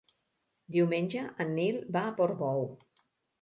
Diumenge en Nil va a Portbou.